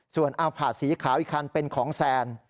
ส่วนอัลผาดสีขาวอีกคันเป็นของแซน